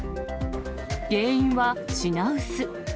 原因は品薄。